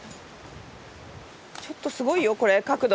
ちょっとすごいよこれ角度。